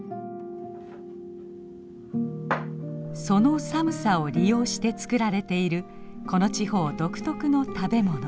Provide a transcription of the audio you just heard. その寒さを利用して作られているこの地方独特の食べ物。